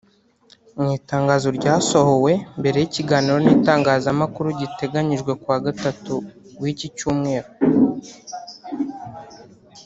Mu itangazo ryasohowe mbere y’ikiganiro n’itangazamakuru giteganyijwe ku wa Gatatu w’ik Cyumweru